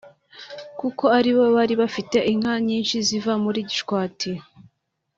kuko aribo bari bafite inka nyinshi ziva muri Gishwati